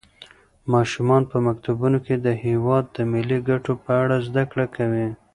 ماشومان په مکتبونو کې د هېواد د ملي ګټو په اړه زده کړه کوي.